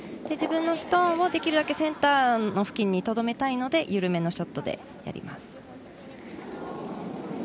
自分のストーンをできるだけセンターの付近に止めたいのでゆるめのショットでやります。